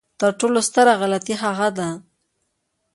تر ټولو ستره غلطي هغه ده.